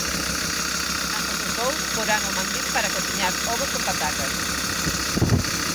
Ambos os dous porán o mandil para cociñar ovos con patacas.